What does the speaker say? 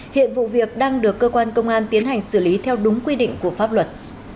hiện vụ việc đang được cơ quan công an tiến hành xử lý theo đúng quy định của pháp luật